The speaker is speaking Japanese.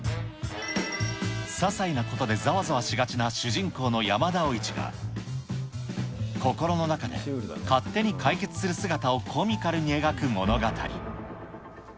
些細なことでざわざわしがちな主人公の山田おいちが、心の中で勝手に解決する姿をコミカルに描く物語。